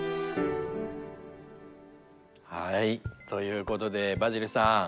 ということでバジルさん。